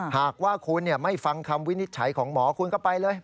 หากว่าคุณไม่ฟังคำวินิจฉัยของหมอคุณก็ไปเลย